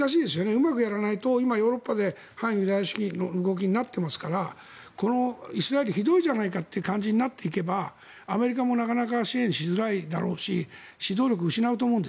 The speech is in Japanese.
うまくやらないと今、ヨーロッパで反ユダヤ主義となっていますからイスラエルひどいじゃないかとなるとアメリカもなかなか支援しづらいだろうし指導力を失うと思う。